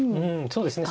そうですね